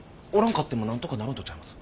んかってもなんとかなるんとちゃいます？